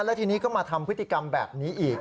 แล้วทีนี้ก็มาทำพฤติกรรมแบบนี้อีก